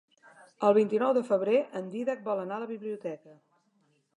El vint-i-nou de febrer en Dídac vol anar a la biblioteca.